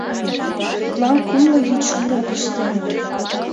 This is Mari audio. Тудлан кумло вич урым пыштеныт...